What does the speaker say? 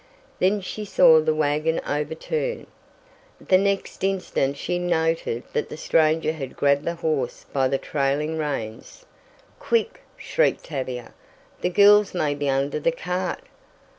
Then she saw the wagon overturn! The next instant she noted that the stranger had grabbed the horse by the trailing reins. "Quick!" shrieked Tavia. "The girls may be under the cart!"